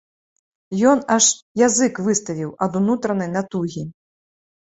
Ён аж язык выставіў ад унутранай натугі.